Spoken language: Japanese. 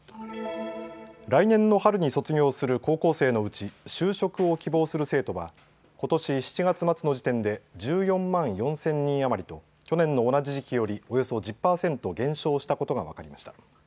来年の春に卒業する高校生のうち就職を希望する生徒はことし７月末の時点で１４万４０００人余りと去年の同じ時期よりおよそ１０％減少したことが分かりました。